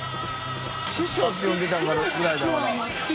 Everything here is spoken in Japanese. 師匠」って呼んでたぐらいだから。